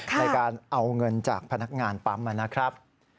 ในการเอาเงินจากพนักงานปั๊มนะครับ